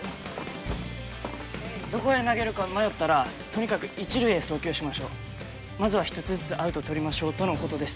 どこへ投げるか迷ったらとにかく１塁へ送球しましょうまずは１つずつアウト取りましょうとのことです